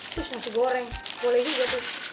masih goreng boleh juga tuh